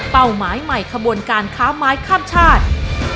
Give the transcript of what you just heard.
หมายใหม่ขบวนการค้าไม้ข้ามชาติ